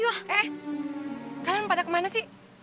wah eh kalian pada kemana sih